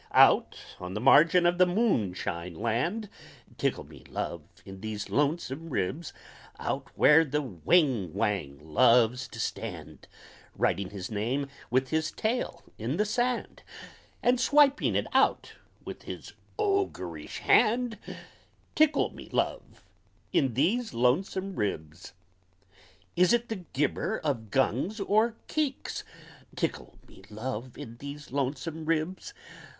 Out on the margin of Moonshine Land, Tickle me, Love, in these Lonesome Ribs! Out where the Whing Whang loves to stand, Writing his name with his tail in the sand, And swiping it out with his oogerish hand; Tickle me, Love, in these Lonesome Ribs! Is it the gibber of Gungs or Keeks? Tickle me, Love, in these Lonesome Ribs!